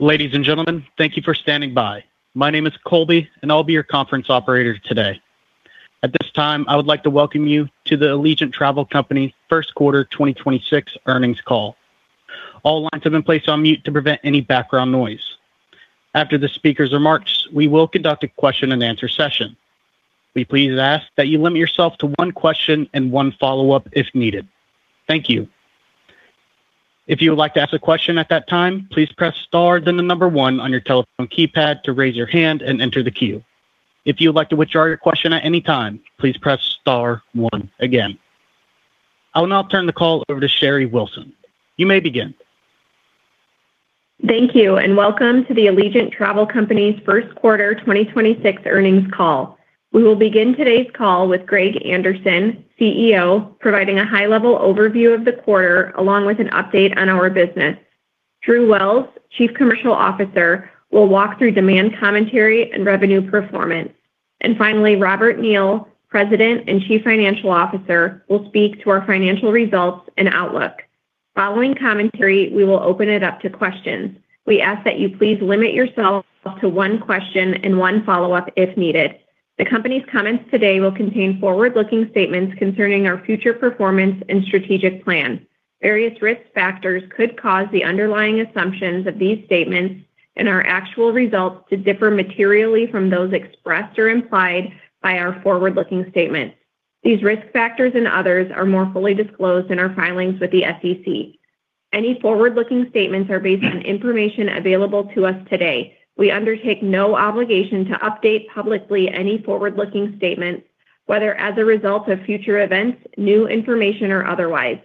Ladies and gentlemen, thank you for standing by. My name is Colby and I'll be your conference operator today. At this time, I would like to welcome you to the Allegiant Travel Company First Quarter 2026 Earnings Call. All lines have been placed on mute to prevent any background noise. After the speaker's remarks, we will conduct a question-and-answer session. We please ask that you limit yourself to one question and one follow-up if needed. Thank you. If you would like to ask a question at that time, please press star then the number one on your telephone keypad to raise your hand and enter the queue. If you would like to withdraw your question at any time, please press star one again. I will now turn the call over to Sherry Wilson. You may begin. Thank you, and welcome to the Allegiant Travel Company's First Quarter 2026 Earnings Call. We will begin today's call with Greg Anderson, CEO, providing a high-level overview of the quarter along with an update on our business. Drew Wells, Chief Commercial Officer, will walk through demand commentary and revenue performance. Finally, Robert Neal, President and Chief Financial Officer, will speak to our financial results and outlook. Following commentary, we will open it up to questions. We ask that you please limit yourself to one question and one follow-up if needed. The company's comments today will contain forward-looking statements concerning our future performance and strategic plan. Various risk factors could cause the underlying assumptions of these statements and our actual results to differ materially from those expressed or implied by our forward-looking statements. These risk factors and others are more fully disclosed in our filings with the SEC. Any forward-looking statements are based on information available to us today. We undertake no obligation to update publicly any forward-looking statements, whether as a result of future events, new information, or otherwise.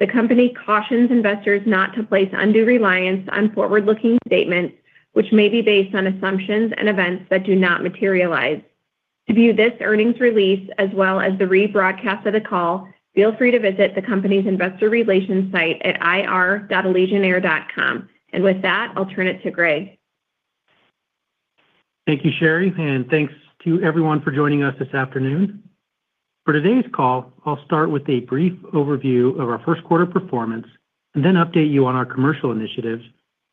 The company cautions investors not to place undue reliance on forward-looking statements which may be based on assumptions and events that do not materialize. To view this earnings release as well as the rebroadcast of the call, feel free to visit the company's investor relations site at ir.allegiantair.com. With that, I'll turn it to Greg. Thank you, Sherry, thanks to everyone for joining us this afternoon. For today's call, I'll start with a brief overview of our first quarter performance and then update you on our commercial initiatives,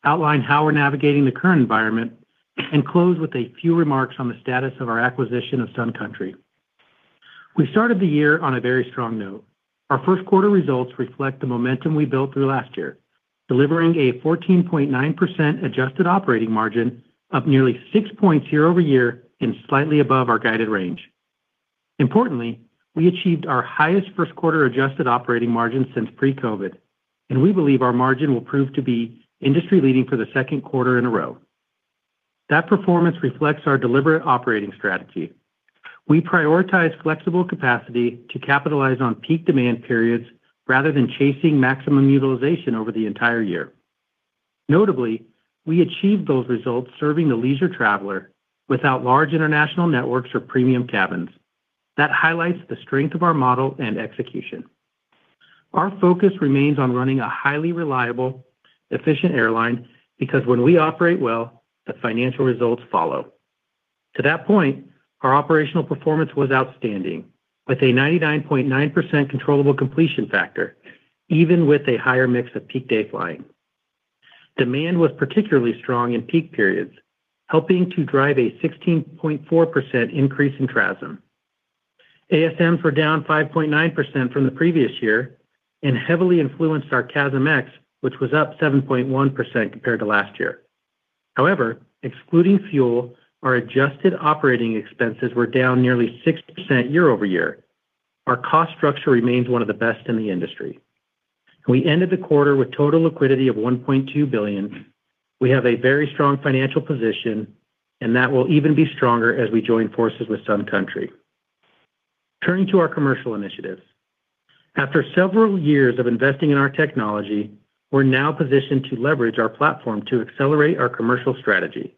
outline how we're navigating the current environment, and close with a few remarks on the status of our acquisition of Sun Country. We started the year on a very strong note. Our first quarter results reflect the momentum we built through last year, delivering a 14.9% adjusted operating margin, up nearly six points year-over-year and slightly above our guided range. Importantly, we achieved our highest first quarter adjusted operating margin since pre-COVID, and we believe our margin will prove to be industry-leading for the second quarter in a row. That performance reflects our deliberate operating strategy. We prioritize flexible capacity to capitalize on peak demand periods rather than chasing maximum utilization over the entire year. Notably, we achieved those results serving the leisure traveler without large international networks or premium cabins. That highlights the strength of our model and execution. Our focus remains on running a highly reliable, efficient airline because when we operate well, the financial results follow. To that point, our operational performance was outstanding with a 99.9% controllable completion factor, even with a higher mix of peak day flying. Demand was particularly strong in peak periods, helping to drive a 16.4% increase in TRASM. ASM for down 5.9% from the previous year and heavily influenced our CASM-ex, which was up 7.1% compared to last year. However, excluding fuel, our adjusted operating expenses were down nearly 6% year-over-year. Our cost structure remains one of the best in the industry. We ended the quarter with total liquidity of $1.2 billion. We have a very strong financial position, and that will even be stronger as we join forces with Sun Country. Turning to our commercial initiatives. After several years of investing in our technology, we're now positioned to leverage our platform to accelerate our commercial strategy.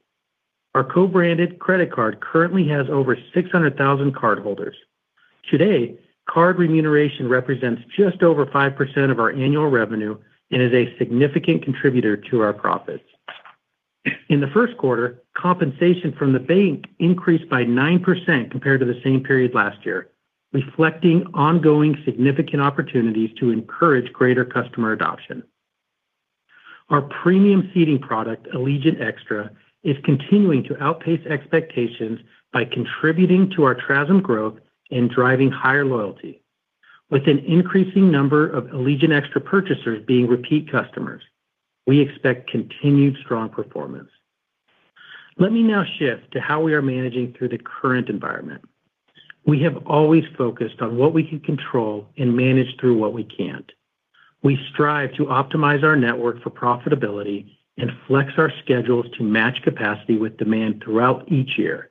Our co-branded credit card currently has over 600,000 cardholders. Today, card remuneration represents just over 5% of our annual revenue and is a significant contributor to our profits. In the first quarter, compensation from the bank increased by 9% compared to the same period last year, reflecting ongoing significant opportunities to encourage greater customer adoption. Our premium seating product, Allegiant Extra, is continuing to outpace expectations by contributing to our TRASM growth and driving higher loyalty. With an increasing number of Allegiant Extra purchasers being repeat customers, we expect continued strong performance. Let me now shift to how we are managing through the current environment. We have always focused on what we can control and manage through what we can't. We strive to optimize our network for profitability and flex our schedules to match capacity with demand throughout each year.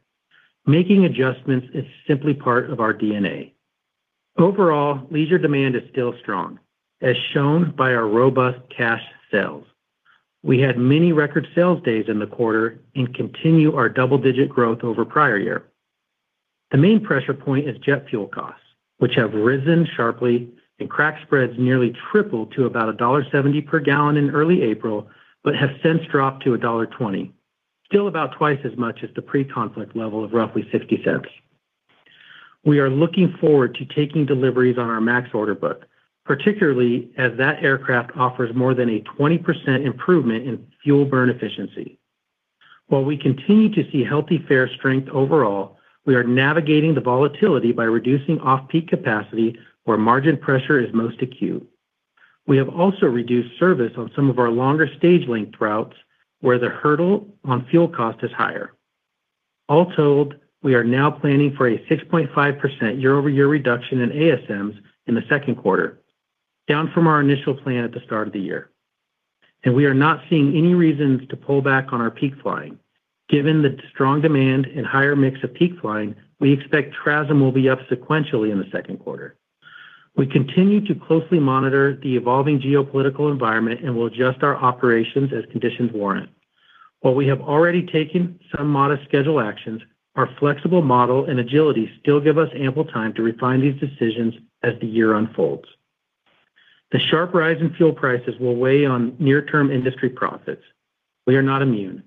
Making adjustments is simply part of our DNA. Overall, leisure demand is still strong, as shown by our robust cash sales. We had many record sales days in the quarter and continue our double-digit growth over prior year. The main pressure point is jet fuel costs, which have risen sharply and crack spreads nearly triple to about $1.70 per gallon in early April, but have since dropped to $1.20, still about twice as much as the pre-conflict level of roughly $0.60. We are looking forward to taking deliveries on our MAX order book, particularly as that aircraft offers more than a 20% improvement in fuel burn efficiency. While we continue to see healthy fare strength overall, we are navigating the volatility by reducing off-peak capacity where margin pressure is most acute. We have also reduced service on some of our longer stage length routes where the hurdle on fuel cost is higher. All told, we are now planning for a 6.5% year-over-year reduction in ASMs in the second quarter, down from our initial plan at the start of the year. We are not seeing any reasons to pull back on our peak flying. Given the strong demand and higher mix of peak flying, we expect TRASM will be up sequentially in the second quarter. We continue to closely monitor the evolving geopolitical environment and will adjust our operations as conditions warrant. While we have already taken some modest schedule actions, our flexible model and agility still give us ample time to refine these decisions as the year unfolds. The sharp rise in fuel prices will weigh on near-term industry profits. We are not immune,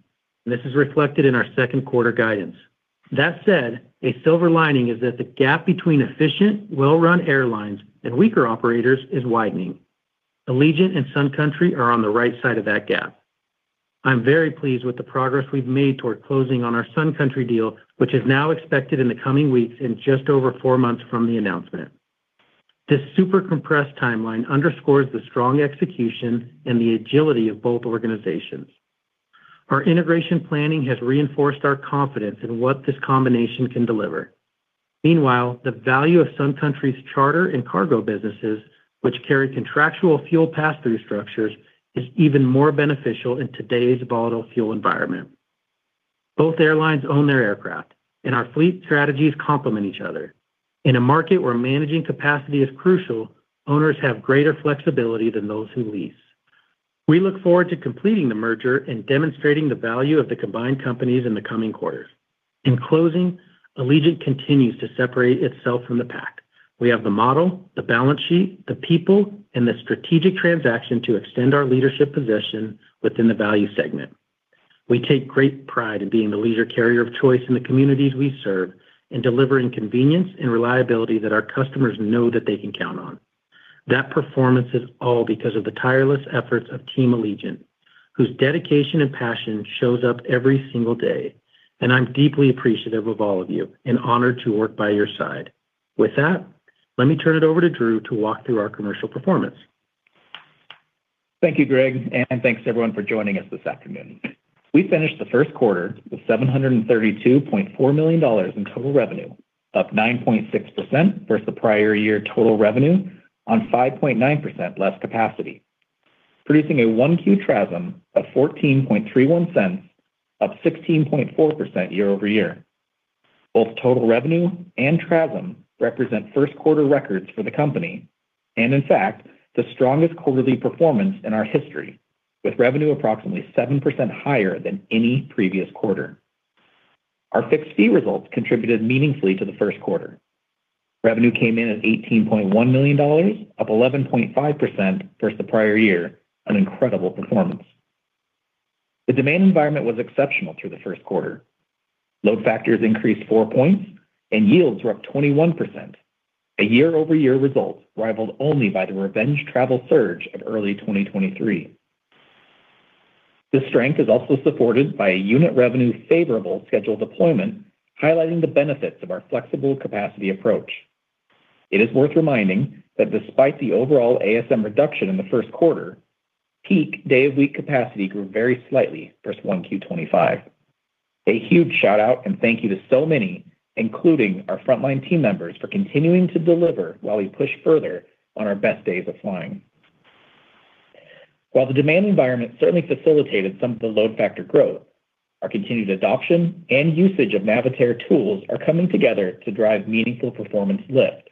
and this is reflected in our second quarter guidance. That said, a silver lining is that the gap between efficient, well-run airlines and weaker operators is widening. Allegiant and Sun Country are on the right side of that gap. I'm very pleased with the progress we've made toward closing on our Sun Country deal, which is now expected in the coming weeks in just over four months from the announcement. This super compressed timeline underscores the strong execution and the agility of both organizations. Our integration planning has reinforced our confidence in what this combination can deliver. Meanwhile, the value of Sun Country's charter and cargo businesses, which carry contractual fuel pass-through structures, is even more beneficial in today's volatile fuel environment. Both airlines own their aircraft, and our fleet strategies complement each other. In a market where managing capacity is crucial, owners have greater flexibility than those who lease. We look forward to completing the merger and demonstrating the value of the combined companies in the coming quarters. In closing, Allegiant continues to separate itself from the pack. We have the model, the balance sheet, the people, and the strategic transaction to extend our leadership position within the value segment. We take great pride in being the leisure carrier of choice in the communities we serve and delivering convenience and reliability that our customers know that they can count on. That performance is all because of the tireless efforts of Team Allegiant, whose dedication and passion shows up every single day, and I'm deeply appreciative of all of you and honored to work by your side. With that, let me turn it over to Drew to walk through our commercial performance. Thank you, Greg, and thanks everyone for joining us this afternoon. We finished the first quarter with $732.4 million in total revenue, up 9.6% versus the prior year total revenue on 5.9% less capacity, producing a 1Q TRASM of $0.1431, up 16.4% year-over-year. Both total revenue and TRASM represent first quarter records for the company and, in fact, the strongest quarterly performance in our history, with revenue approximately 7% higher than any previous quarter. Our fixed fee results contributed meaningfully to the first quarter. Revenue came in at $18.1 million, up 11.5% versus the prior year, an incredible performance. The demand environment was exceptional through the first quarter. Load factors increased four points and yields were up 21%, a year-over-year result rivaled only by the revenge travel surge of early 2023. This strength is also supported by a unit revenue favorable schedule deployment, highlighting the benefits of our flexible capacity approach. It is worth reminding that despite the overall ASM reduction in the first quarter, peak day of week capacity grew very slightly versus 1Q 2025. A huge shout out and thank you to so many, including our frontline team members, for continuing to deliver while we push further on our best days of flying. While the demand environment certainly facilitated some of the load factor growth, our continued adoption and usage of Navitaire tools are coming together to drive meaningful performance lift.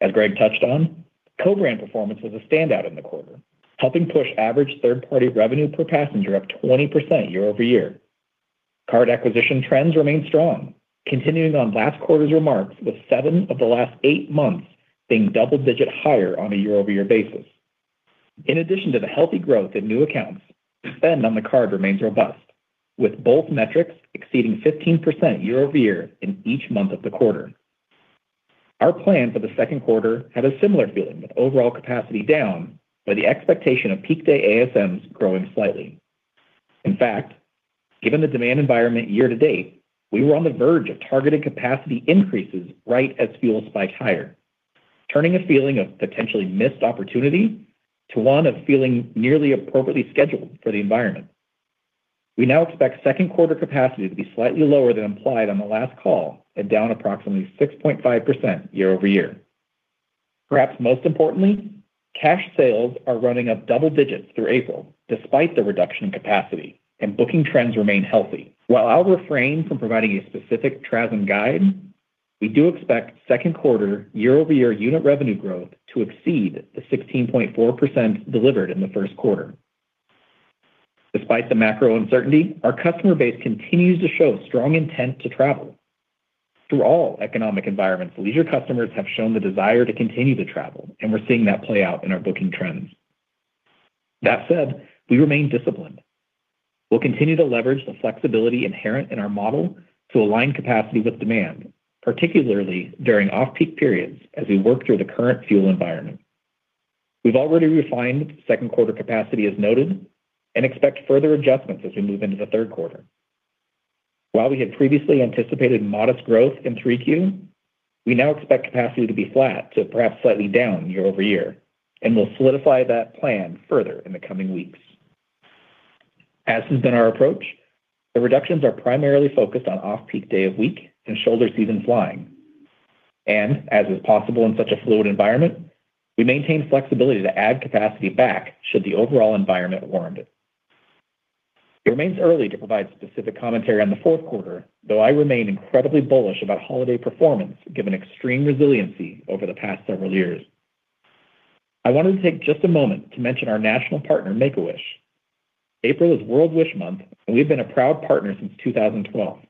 As Greg touched on, co-brand performance was a standout in the quarter, helping push average third-party revenue per passenger up 20% year-over-year. Card acquisition trends remain strong, continuing on last quarter's remarks with seven of the last eight months being double-digit higher on a year-over-year basis. In addition to the healthy growth in new accounts, spend on the card remains robust, with both metrics exceeding 15% year-over-year in each month of the quarter. Our plan for the second quarter had a similar feeling with overall capacity down, but the expectation of peak day ASMs growing slightly. In fact, given the demand environment year-to-date, we were on the verge of targeted capacity increases right as fuel spiked higher, turning a feeling of potentially missed opportunity to one of feeling nearly appropriately scheduled for the environment. We now expect second quarter capacity to be slightly lower than implied on the last call and down approximately 6.5% year-over-year. Perhaps most importantly, cash sales are running up double digits through April despite the reduction in capacity and booking trends remain healthy. While I'll refrain from providing a specific TRASM guide, we do expect second quarter year-over-year unit revenue growth to exceed the 16.4% delivered in the first quarter. Despite the macro uncertainty, our customer base continues to show strong intent to travel. Through all economic environments, leisure customers have shown the desire to continue to travel, and we're seeing that play out in our booking trends. That said, we remain disciplined. We'll continue to leverage the flexibility inherent in our model to align capacity with demand, particularly during off-peak periods as we work through the current fuel environment. We've already refined second quarter capacity as noted, and expect further adjustments as we move into the third quarter. While we had previously anticipated modest growth in 3Q, we now expect capacity to be flat to perhaps slightly down year-over-year, and we'll solidify that plan further in the coming weeks. As has been our approach, the reductions are primarily focused on off-peak day of week and shoulder season flying. As is possible in such a fluid environment, we maintain flexibility to add capacity back should the overall environment warrant it. It remains early to provide specific commentary on the fourth quarter, though I remain incredibly bullish about holiday performance given extreme resiliency over the past several years. I wanted to take just a moment to mention our national partner, Make-A-Wish. April is World Wish Month, and we've been a proud partner since 2012.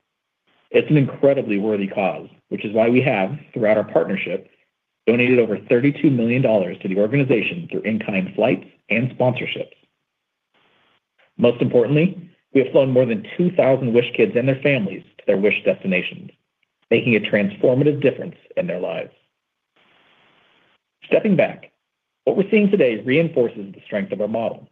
It's an incredibly worthy cause, which is why we have, throughout our partnership, donated over $32 million to the organization through in-kind flights and sponsorships. Most importantly, we have flown more than 2,000 Wish kids and their families to their Wish destinations, making a transformative difference in their lives. Stepping back, what we're seeing today reinforces the strength of our model.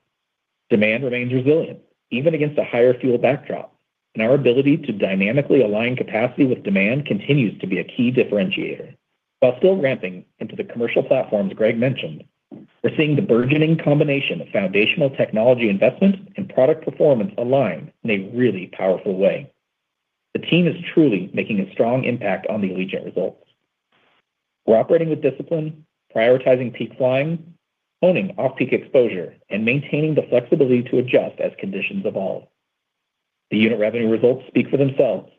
Demand remains resilient, even against a higher fuel backdrop, and our ability to dynamically align capacity with demand continues to be a key differentiator. While still ramping into the commercial platforms Greg mentioned, we're seeing the burgeoning combination of foundational technology investment and product performance align in a really powerful way. The team is truly making a strong impact on the Allegiant results. We're operating with discipline, prioritizing peak flying, owning off-peak exposure, and maintaining the flexibility to adjust as conditions evolve. The unit revenue results speak for themselves,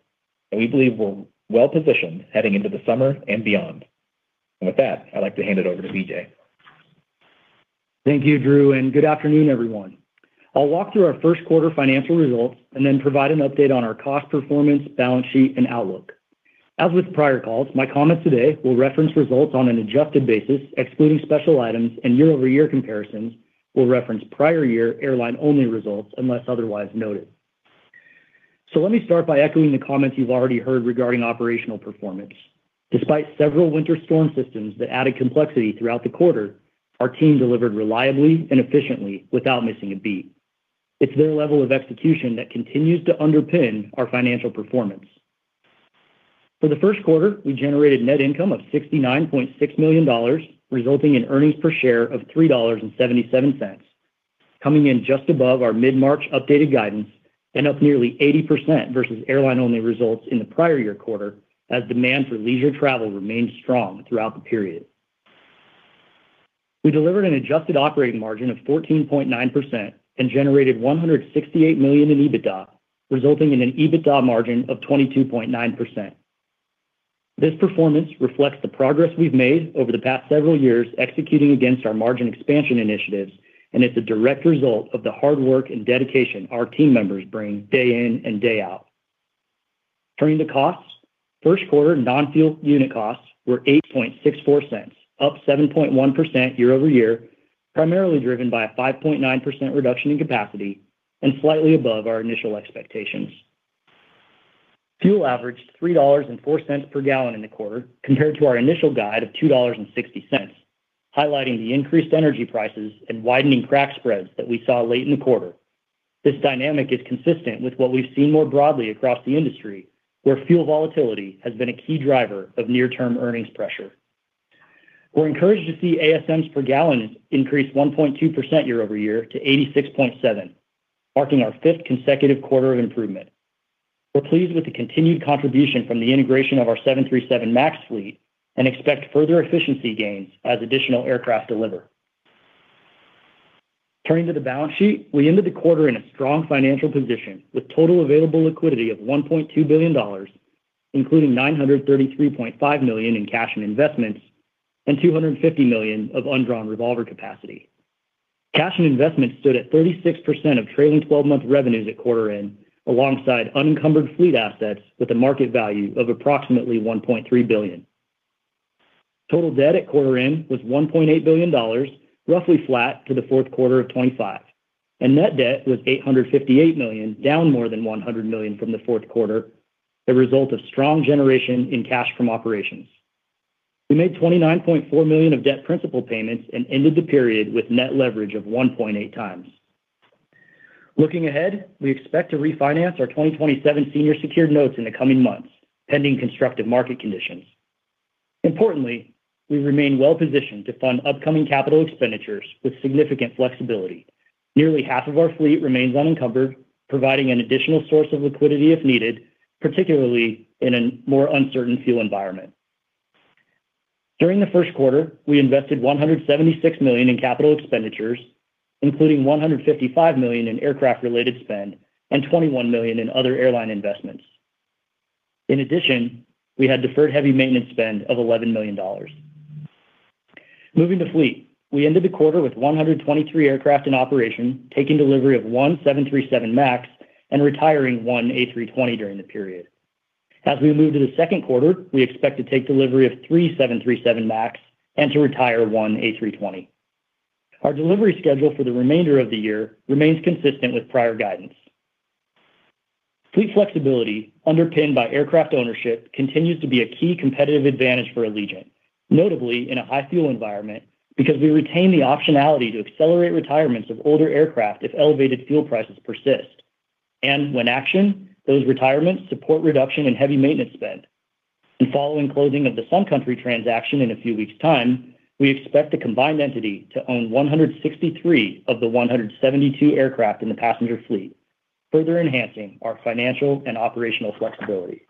and we believe we're well-positioned heading into the summer and beyond. With that, I'd like to hand it over to B.J.. Thank you, Drew, and good afternoon, everyone. I'll walk through our first quarter financial results and then provide an update on our cost performance, balance sheet, and outlook. As with prior calls, my comments today will reference results on an adjusted basis, excluding special items and year-over-year comparisons, will reference prior year airline-only results unless otherwise noted. Let me start by echoing the comments you've already heard regarding operational performance. Despite several winter storm systems that added complexity throughout the quarter, our team delivered reliably and efficiently without missing a beat. It's their level of execution that continues to underpin our financial performance. For the first quarter, we generated net income of $69.6 million, resulting in earnings per share of $3.77, coming in just above our mid March updated guidance and up nearly 80% versus airline-only results in the prior year quarter as demand for leisure travel remained strong throughout the period. We delivered an adjusted operating margin of 14.9% and generated $168 million in EBITDA, resulting in an EBITDA margin of 22.9%. This performance reflects the progress we've made over the past several years executing against our margin expansion initiatives, and it's a direct result of the hard work and dedication our team members bring day in and day out. Turning to costs, first quarter non-fuel unit costs were $0.0864, up 7.1% year-over-year, primarily driven by a 5.9% reduction in capacity and slightly above our initial expectations. Fuel averaged $3.04 per gallon in the quarter compared to our initial guide of $2.60, highlighting the increased energy prices and widening crack spreads that we saw late in the quarter. This dynamic is consistent with what we've seen more broadly across the industry, where fuel volatility has been a key driver of near-term earnings pressure. We're encouraged to see ASMs per gallon increase 1.2% year-over-year to 86.7, marking our fifth consecutive quarter of improvement. We're pleased with the continued contribution from the integration of our 737 MAX fleet and expect further efficiency gains as additional aircraft deliver. Turning to the balance sheet, we ended the quarter in a strong financial position with total available liquidity of $1.2 billion, including $933.5 million in cash and investments and $250 million of undrawn revolver capacity. Cash and investments stood at 36% of trailing 12-month revenues at quarter end, alongside unencumbered fleet assets with a market value of approximately $1.3 billion. Total debt at quarter end was $1.8 billion, roughly flat to the fourth quarter of 2025. Net debt was $858 million, down more than $100 million from the fourth quarter, the result of strong generation in cash from operations. We made $29.4 million of debt principal payments and ended the period with net leverage of 1.8x. Looking ahead, we expect to refinance our 2027 senior secured notes in the coming months, pending constructive market conditions. Importantly, we remain well-positioned to fund upcoming capital expenditures with significant flexibility. Nearly half of our fleet remains unencumbered, providing an additional source of liquidity if needed, particularly in a more uncertain fuel environment. During the first quarter, we invested $176 million in capital expenditures, including $155 million in aircraft-related spend and $21 million in other airline investments. In addition, we had deferred heavy maintenance spend of $11 million. Moving to fleet, we ended the quarter with 123 aircraft in operation, taking delivery of one 737 MAX and retiring one A320 during the period. As we move to the second quarter, we expect to take delivery of three 737 MAX and to retire one A320. Our delivery schedule for the remainder of the year remains consistent with prior guidance. Fleet flexibility underpinned by aircraft ownership continues to be a key competitive advantage for Allegiant, notably in a high fuel environment, because we retain the optionality to accelerate retirements of older aircraft if elevated fuel prices persist. When action, those retirements support reduction in heavy maintenance spend. Following closing of the Sun Country transaction in a few weeks' time, we expect the combined entity to own 163 of the 172 aircraft in the passenger fleet, further enhancing our financial and operational flexibility.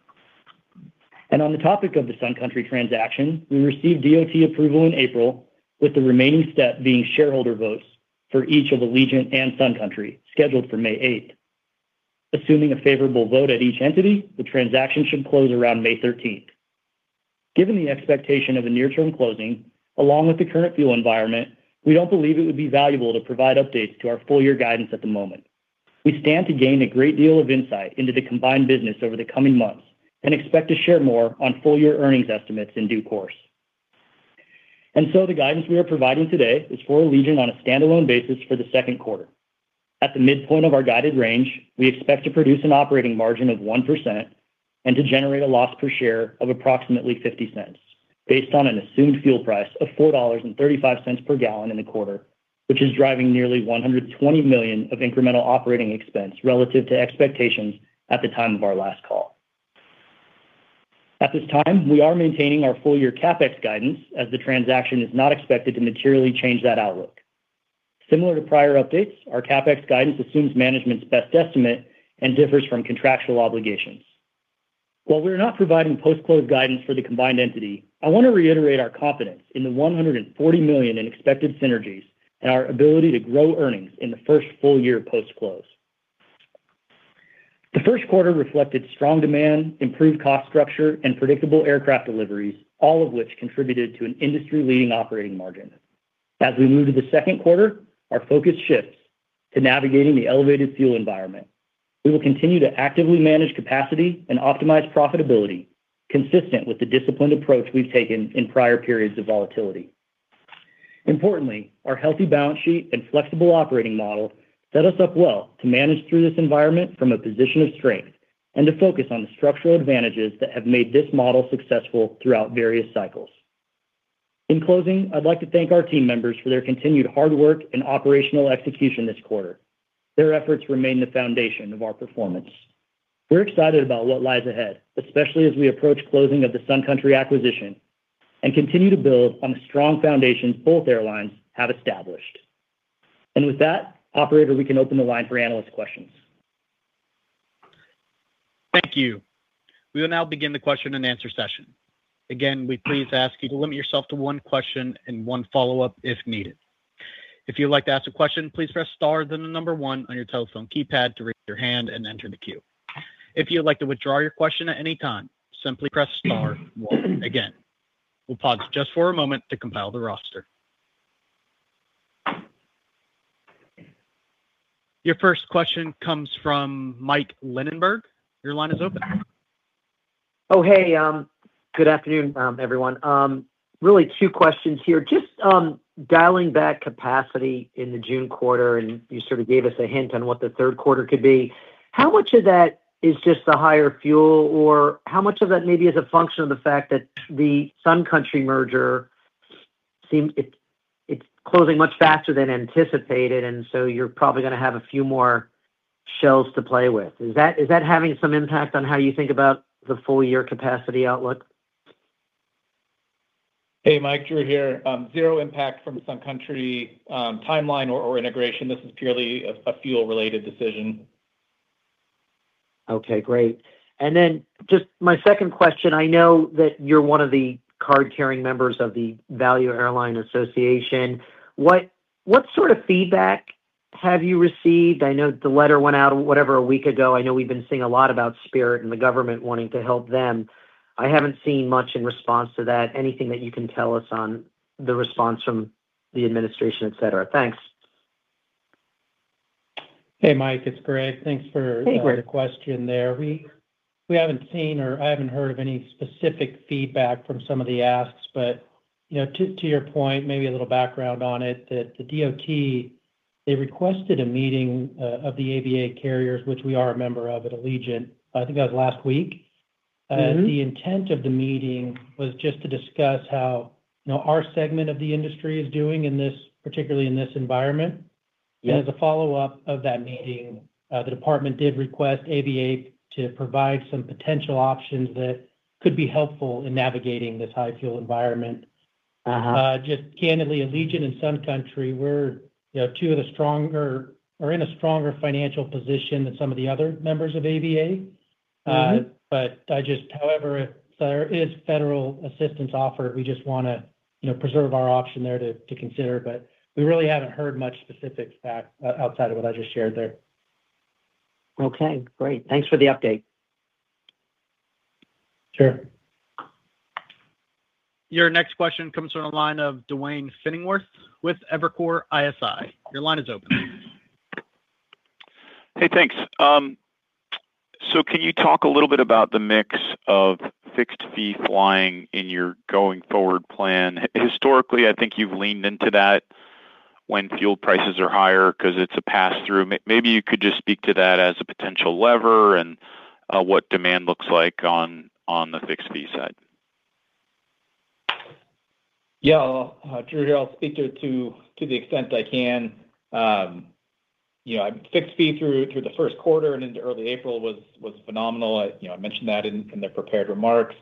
On the topic of the Sun Country transaction, we received DOT approval in April, with the remaining step being shareholder votes for each of Allegiant and Sun Country, scheduled for May 8th. Assuming a favorable vote at each entity, the transaction should close around May 13th. Given the expectation of a near-term closing, along with the current fuel environment, we don't believe it would be valuable to provide updates to our full-year guidance at the moment. We stand to gain a great deal of insight into the combined business over the coming months and expect to share more on full-year earnings estimates in due course. The guidance we are providing today is for Allegiant on a standalone basis for the second quarter. At the mid-point of our guided range, we expect to produce an operating margin of 1% and to generate a loss per share of approximately $0.50, based on an assumed fuel price of $4.35 per gallon in the quarter, which is driving nearly $120 million of incremental operating expense relative to expectations at the time of our last call. At this time, we are maintaining our full-year CapEx guidance as the transaction is not expected to materially change that outlook. Similar to prior updates, our CapEx guidance assumes management's best estimate and differs from contractual obligations. While we're not providing post-close guidance for the combined entity, I want to reiterate our confidence in the $140 million in expected synergies and our ability to grow earnings in the first full-year post-close. The first quarter reflected strong demand, improved cost structure, and predictable aircraft deliveries, all of which contributed to an industry-leading operating margin. As we move to the second quarter, our focus shifts to navigating the elevated fuel environment. We will continue to actively manage capacity and optimize profitability consistent with the disciplined approach we've taken in prior periods of volatility. Importantly, our healthy balance sheet and flexible operating model set us up well to manage through this environment from a position of strength and to focus on the structural advantages that have made this model successful throughout various cycles. In closing, I'd like to thank our team members for their continued hard work and operational execution this quarter. Their efforts remain the foundation of our performance. We're excited about what lies ahead, especially as we approach closing of the Sun Country acquisition and continue to build on the strong foundation both airlines have established. With that, operator, we can open the line for analyst questions. Thank you. We will now begin the question and answer session. Again, we please ask you to limit yourself to one question and one follow-up if needed. If you'd like to ask a question, please press star, then the number one on your telephone keypad to raise your hand and enter the queue. If you'd like to withdraw your question at any time, simply press star one again. We'll pause just for a moment to compile the roster. Your first question comes from Mike Linenberg. Your line is open. Oh, hey, good afternoon, everyone. Really two questions here. Just dialing back capacity in the June quarter, and you sort of gave us a hint on what the third quarter could be. How much of that is just the higher fuel, or how much of that maybe is a function of the fact that the Sun Country merger seems it's closing much faster than anticipated, and so you're probably gonna have a few more shells to play with? Is that having some impact on how you think about the full-year capacity outlook? Hey, Mike, Drew here. zero impact from Sun Country, timeline or integration. This is purely a fuel-related decision. Okay, great. Just my second question, I know that you're one of the card-carrying members of the Value Airlines Association. What sort of feedback have you received? I know the letter went out whatever, a week ago. I know we've been seeing a lot about Spirit and the government wanting to help them. I haven't seen much in response to that. Anything that you can tell us on the response from the administration, et cetera? Thanks. Hey, Mike, it's Greg. Hey, Greg. Thanks for the question there. We haven't seen or I haven't heard of any specific feedback from some of the asks. You know, to your point, maybe a little background on it, that the DOT, they requested a meeting of the ABA carriers, which we are a member of at Allegiant, I think that was last week. Mm-hmm. The intent of the meeting was just to discuss how, you know, our segment of the industry is doing in this, particularly in this environment. Yeah. As a follow-up of that meeting, the Department did request ABA to provide some potential options that could be helpful in navigating this high fuel environment. Uh-huh. Just candidly, Allegiant and Sun Country, we're two of the stronger or in a stronger financial position than some of the other members of ABA. Mm-hmm. However, if there is federal assistance offered, we just wanna, you know, preserve our option there to consider. We really haven't heard much specifics back, outside of what I just shared there. Okay, great. Thanks for the update. Sure. Your next question comes from the line of Duane Pfennigwerth with Evercore ISI. Your line is open. Hey, thanks. Can you talk a little bit about the mix of fixed fee flying in your going forward plan? Historically, I think you've leaned into that when fuel prices are higher because it's a pass-through. Maybe you could just speak to that as a potential lever and what demand looks like on the fixed fee side. Yeah. Drew here. I'll speak to the extent I can. You know, fixed fee through the first quarter and into early April was phenomenal. You know, I mentioned that in the prepared remarks.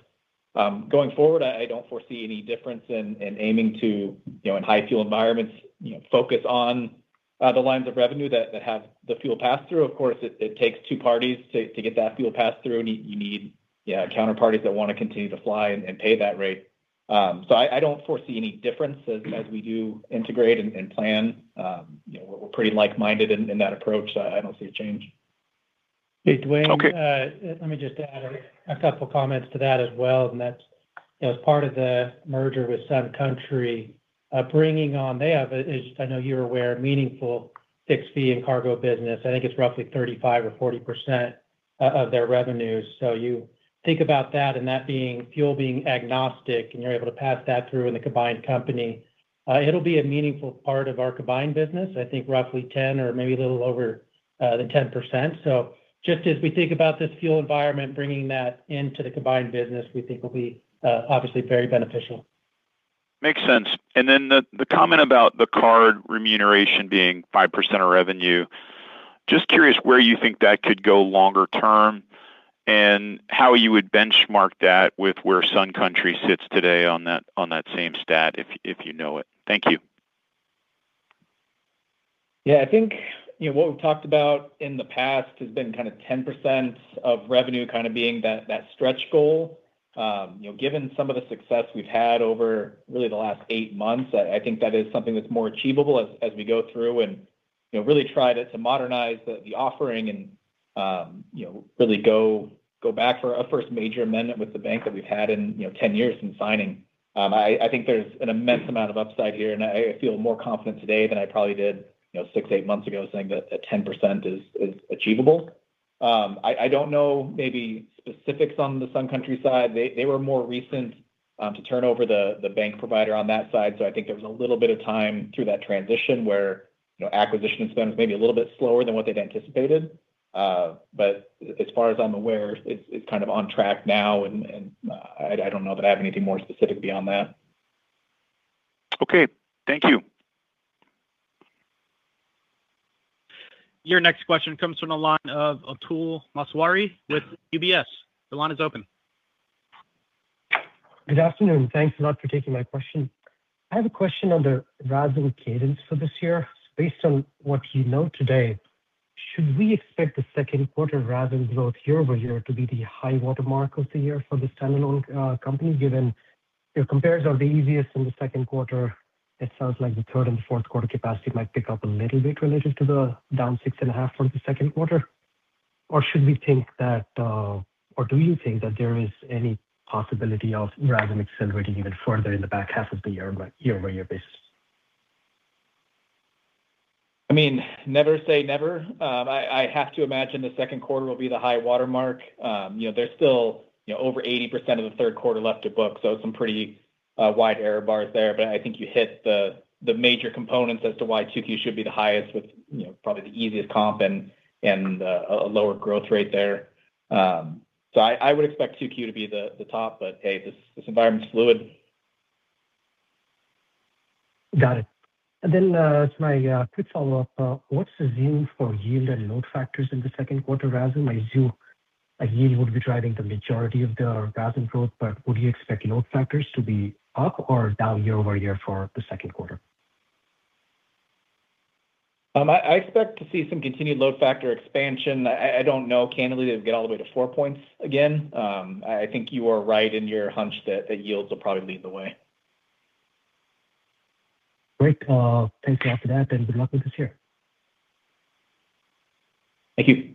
Going forward, I don't foresee any difference in aiming to, you know, in high fuel environments, you know, focus on the lines of revenue that have the fuel pass-through. Of course, it takes two parties to get that fuel pass-through, and you need, yeah, counterparties that want to continue to fly and pay that rate. I don't foresee any difference as we do integrate and plan. You know, we're pretty like-minded in that approach. I don't see a change. Okay. Hey, Duane. Let me just add a couple comments to that as well, that's, you know, as part of the merger with Sun Country, bringing on them is, I know you're aware, meaningful fixed fee and cargo business. I think it's roughly 35% or 40% of their revenues. You think about that and that being, fuel being agnostic, and you're able to pass that through in the combined company, it'll be a meaningful part of our combined business. I think roughly 10 or maybe a little over, the 10%. Just as we think about this fuel environment, bringing that into the combined business, we think will be obviously very beneficial. Makes sense. The comment about the card remuneration being 5% of revenue, just curious where you think that could go longer-term, and how you would benchmark that with where Sun Country sits today on that, on that same stat, if you know it. Thank you. I think, you know, what we've talked about in the past has been kind of 10% of revenue kind of being that stretch goal. You know, given some of the success we've had over really the last eight months, I think that is something that's more achievable as we go through. You know, really tried it to modernize the offering and, you know, really go back for our first major amendment with the bank that we've had in, you know, 10 years since signing. I think there's an immense amount of upside here, and I feel more confident today than I probably did, you know, six, eight months ago saying that 10% is achievable. I don't know maybe specifics on the Sun Country side. They were more recent to turn over the bank provider on that side. I think there was a little bit of time through that transition where, you know, acquisition spend was maybe a little bit slower than what they'd anticipated. As far as I'm aware, it's kind of on track now and I don't know that I have anything more specific beyond that. Okay. Thank you. Your next question comes from the line of Atul Maheswari with UBS. The line is open. Good afternoon. Thanks a lot for taking my question. I have a question on the RASM cadence for this year. Based on what you know today, should we expect the second quarter RASM growth year-over-year to be the high water mark of the year for the standalone company, given your compares are the easiest in the second quarter? It sounds like the third and fourth quarter capacity might pick up a little bit related to the down 6.5% for the second quarter. Or should we think that, or do you think that there is any possibility of RASM accelerating even further in the back half of the year, like year-over-year basis? I mean, never say never. I have to imagine the second quarter will be the high water mark. You know, there's still, you know, over 80% of the third quarter left to book, so some pretty wide error bars there. I think you hit the major components as to why 2Q should be the highest with, you know, probably the easiest comp and a lower growth rate there. I would expect 2Q to be the top, Hey, this environment is fluid. Got it. Then, as my quick follow-up, what's the zoom for yield and load factors in the second quarter RASM? I assume, like, yield would be driving the majority of the RASM growth, but would you expect load factors to be up or down year-over-year for the second quarter? I expect to see some continued load factor expansion. I don't know, candidly, it'll get all the way to four points again. I think you are right in your hunch that yields will probably lead the way. Great. Thank you for that, good luck with this year. Thank you.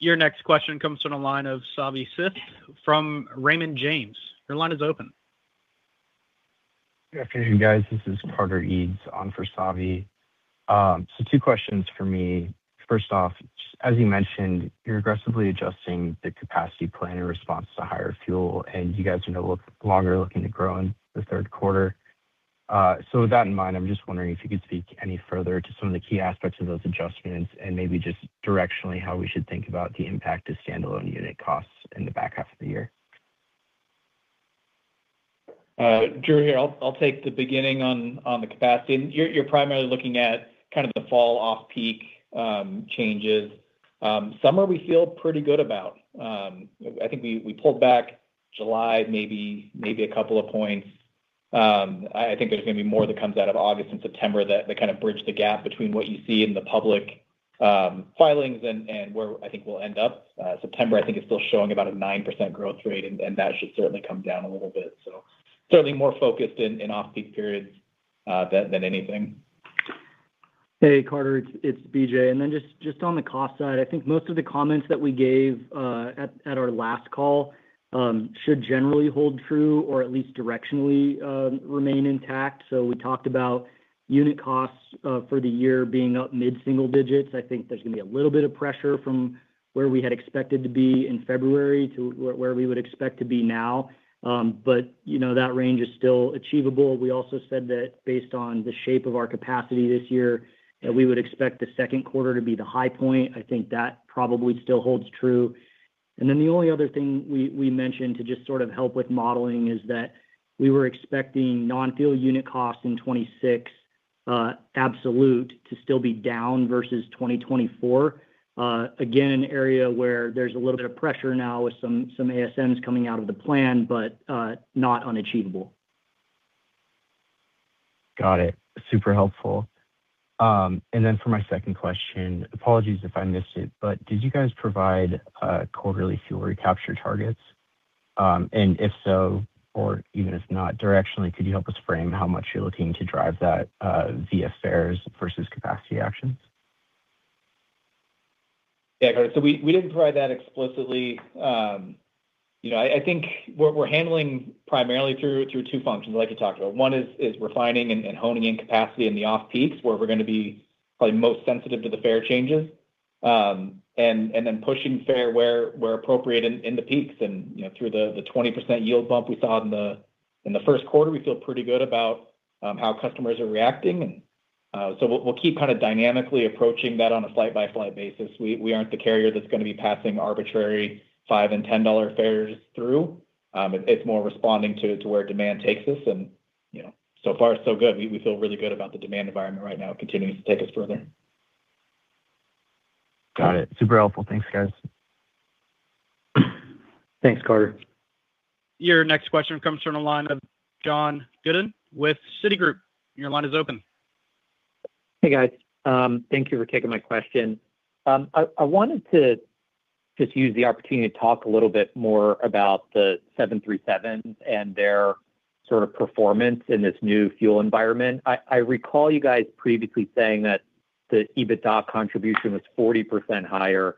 Your next question comes from the line of Savi Syth from Raymond James. Your line is open. Good afternoon, guys. This is Carter Eades on for Savi. Two questions for me. First off, as you mentioned, you're aggressively adjusting the capacity plan in response to higher fuel, and you guys are no longer looking to grow in the third quarter. With that in mind, I'm just wondering if you could speak any further to some of the key aspects of those adjustments and maybe just directionally how we should think about the impact of standalone unit costs in the back half of the year. Drew here. I'll take the beginning on the capacity. You're primarily looking at kind of the fall off-peak changes. Summer we feel pretty good about. You know, I think we pulled back July maybe a couple of points. I think there's gonna be more that comes out of August and September that kind of bridge the gap between what you see in the public filings and where I think we'll end up. September I think is still showing about a 9% growth rate, and that should certainly come down a little bit. Certainly more focused in off-peak periods than anything. Hey, Carter, it's B.J.. Just on the cost side, I think most of the comments that we gave at our last call should generally hold true or at least directionally remain intact. We talked about unit costs for the year being up mid-single digits. I think there's gonna be a little bit of pressure from where we had expected to be in February to where we would expect to be now. You know, that range is still achievable. We also said that based on the shape of our capacity this year, that we would expect the second quarter to be the high point. I think that probably still holds true. The only other thing we mentioned to just sort of help with modeling is that we were expecting non-fuel unit costs in 2026, absolute to still be down versus 2024. Again, an area where there's a little bit of pressure now with some ASMs coming out of the plan, but not unachievable. Got it. Super helpful. Then for my second question, apologies if I missed it, but did you guys provide quarterly fuel recapture targets? If so, or even if not, directionally, could you help us frame how much you're looking to drive that via fares versus capacity actions? Yeah, Carter, we didn't provide that explicitly. You know, I think we're handling primarily through two functions, like you talked about. One is refining and honing in capacity in the off-peaks, where we're going to be probably most sensitive to the fare changes. And pushing fare where appropriate in the peaks and, you know, through the 20% yield bump we saw in the first quarter, we feel pretty good about how customers are reacting. We'll keep kind of dynamically approaching that on a flight-by-flight basis. We aren't the carrier that's going to be passing arbitrary $5 and $10 fares through. It's more responding to where demand takes us and, you know, so far so good. We feel really good about the demand environment right now continuing to take us further. Got it. Super helpful. Thanks, guys. Thanks, Carter. Your next question comes from the line of John Godyn with Citigroup. Your line is open. Hey, guys. Thank you for taking my question. I wanted to just use the opportunity to talk a little bit more about the 737s and their sort of performance in this new fuel environment. I recall you guys previously saying that the EBITDA contribution was 40% higher.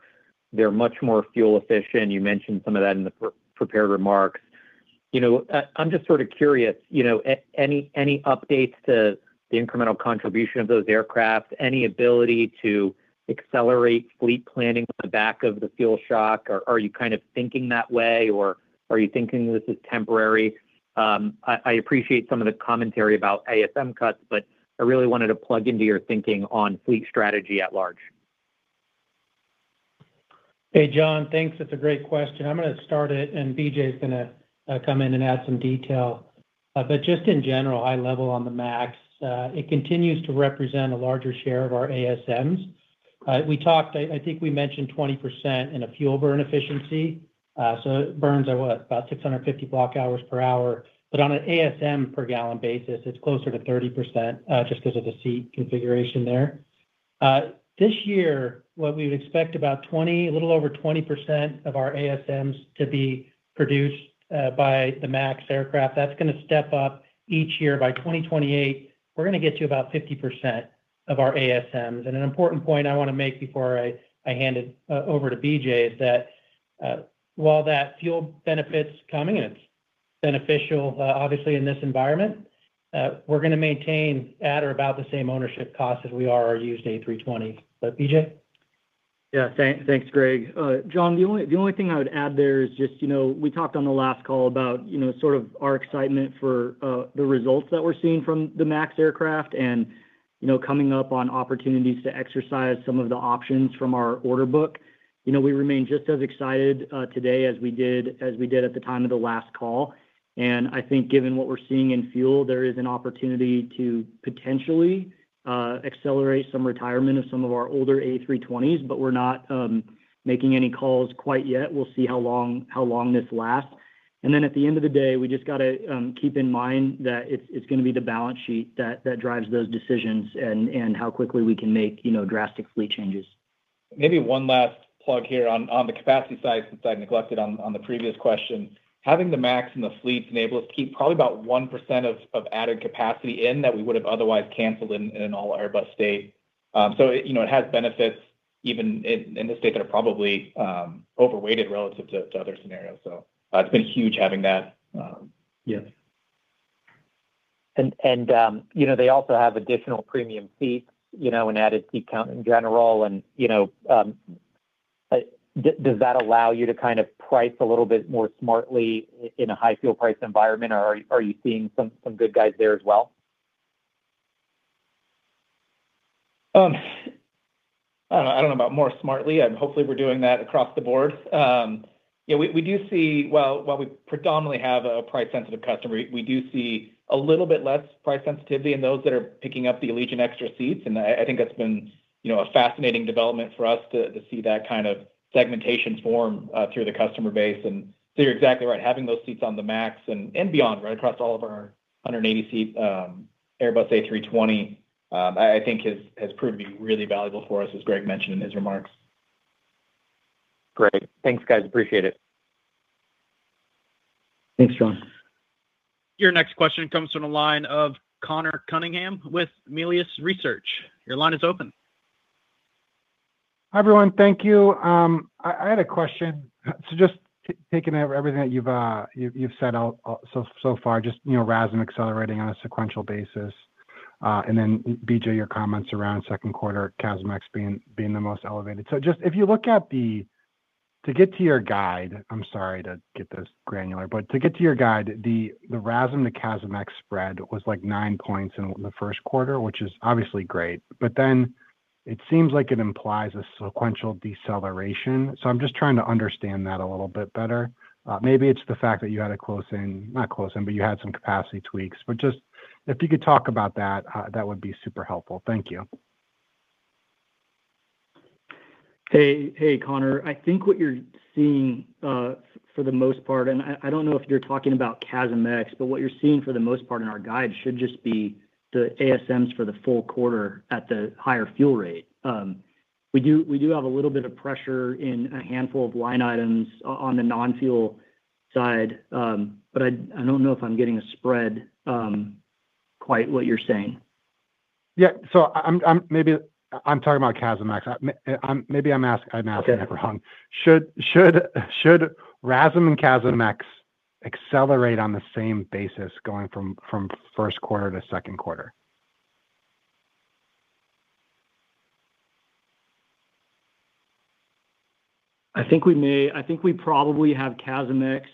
They're much more fuel efficient. You mentioned some of that in the prepared remarks. You know, I'm just sort of curious, you know, any updates to the incremental contribution of those aircraft? Any ability to accelerate fleet planning on the back of the fuel shock, or are you kind of thinking that way, or are you thinking this is temporary? I appreciate some of the commentary about ASM cuts, but I really wanted to plug into your thinking on fleet strategy at large. Hey, John. Thanks. That's a great question. I'm gonna start it, and B.J.'s gonna come in and add some detail. Just in general, high level on the MAX, it continues to represent a larger share of our ASMs. We talked, I think we mentioned 20% in a fuel burn efficiency. It burns at, what, about 650 block hours per hour. On an ASMs per gallon basis, it's closer to 30%, just because of the seat configuration there. This year, what we would expect about 20, a little over 20% of our ASMs to be produced by the MAX aircraft. That's gonna step up each year. By 2028, we're gonna get to about 50% of our ASMs. An important point I wanna make before I hand it over to B.J. is that while that fuel benefit's coming, and it's beneficial, obviously, in this environment, we're gonna maintain at or about the same ownership cost as we are our used A320. B.J.? Yeah. Thanks, Greg. John, the only thing I would add there is just, you know, we talked on the last call about, you know, sort of our excitement for the results that we're seeing from the 737 MAX and, you know, coming up on opportunities to exercise some of the options from our order book. You know, we remain just as excited today as we did at the time of the last call. I think given what we're seeing in fuel, there is an opportunity to potentially accelerate some retirement of some of our older A320s, but we're not making any calls quite yet. We'll see how long this lasts. At the end of the day, we just gotta keep in mind that it's gonna be the balance sheet that drives those decisions and how quickly we can make, you know, drastic fleet changes. Maybe one last plug here on the capacity side since I neglected on the previous question. Having the MAX in the fleet enable us to keep probably about 1% of added capacity in that we would have otherwise canceled in an all Airbus state. You know, it has benefits even in this state that are probably overweighted relative to other scenarios. It's been huge having that. Yeah. You know, they also have additional premium seats, you know, and added seat count in general and, you know, does that allow you to kind of price a little bit more smartly in a high fuel price environment, or are you seeing some good guys there as well? I don't know, I don't know about more smartly. Hopefully, we're doing that across the board. Well, while we predominantly have a price-sensitive customer, we do see a little bit less price sensitivity in those that are picking up the Allegiant Extra seats, and I think that's been, you know, a fascinating development for us to see that kind of segmentation form through the customer base. You're exactly right. Having those seats on the MAX and beyond, right, across all of our 180 seat Airbus A320, I think has proved to be really valuable for us, as Greg mentioned in his remarks. Great. Thanks, guys. Appreciate it. Thanks, John. Your next question comes from the line of Conor Cunningham with Melius Research. Your line is open. Hi, everyone. Thank you. I had a question. Just taking everything that you've said out so far, just, you know, RASM accelerating on a sequential basis. B.J., your comments around second quarter CASM-ex being the most elevated. Just if you look at to get to your guide, I'm sorry to get this granular, but to get to your guide, the RASM to CASM-ex spread was like nine points in the first quarter, which is obviously great. It seems like it implies a sequential deceleration. I'm just trying to understand that a little bit better. Maybe it's the fact that you had a close-in, not close-in, but you had some capacity tweaks. Just if you could talk about that would be super helpful. Thank you. Hey, hey, Conor. I think what you're seeing, for the most part, and I don't know if you're talking about CASM-ex, but what you're seeing for the most part in our guide should just be the ASMs for the full quarter at the higher fuel rate. We do have a little bit of pressure in a handful of line items on the non-fuel side. I don't know if I'm getting a spread, quite what you're saying. Yeah. I'm maybe talking about CASM-ex. Maybe I'm asking it wrong. Okay. Should RASM and CASM-ex accelerate on the same basis going from first quarter to second quarter? I think we may. I think we probably have CASM-ex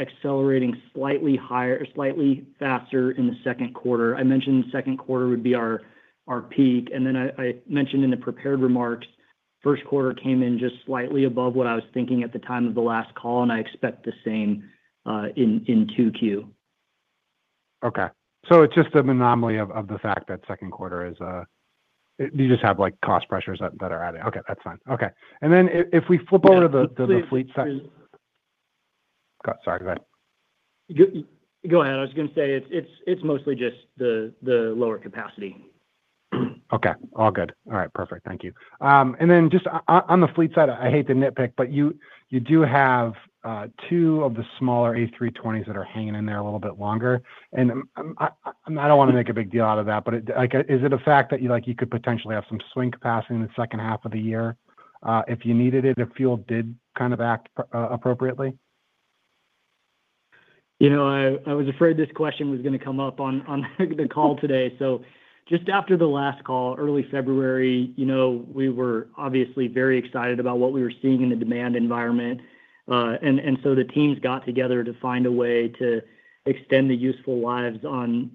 accelerating slightly higher or slightly faster in the second quarter. I mentioned second quarter would be our peak. I mentioned in the prepared remarks, first quarter came in just slightly above what I was thinking at the time of the last call, and I expect the same in 2Q. It's just an anomaly of the fact that you just have like cost pressures that are adding. Okay, that's fine. Okay. If we flip over to the fleet side- Yeah. Sorry, go ahead. Go ahead. I was gonna say it's mostly just the lower capacity. Okay. All good. All right. Perfect. Thank you. Then just on the fleet side, I hate to nitpick, but you do have two of the smaller A320s that are hanging in there a little bit longer. I don't want to make a big deal out of that, but, like, is it a fact that you, like, you could potentially have some swing capacity in the second half of the year, if you needed it, if fuel did kind of act appropriately? You know, I was afraid this question was gonna come up on the call today. Just after the last call, early February, you know, we were obviously very excited about what we were seeing in the demand environment. The teams got together to find a way to extend the useful lives on